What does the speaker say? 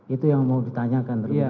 itu yang mau ditanyakan